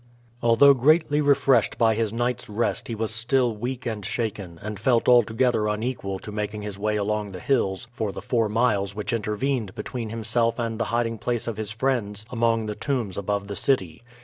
Although greatly refreshed by his night's rest he was still weak and shaken, and felt altogether unequal to making his way along the hills for the four miles which intervened between himself and the hiding place of his friends among the tombs above the city.